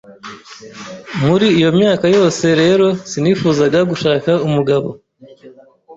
muri iyo myaka yose rero sinifuzaga gushaka umugabo